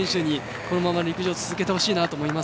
このまま陸上を続けて欲しいと思います。